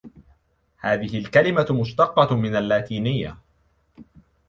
هذه الكلمة مشتقة من اللاتينية.